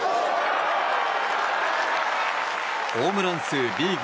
ホームラン数リーグ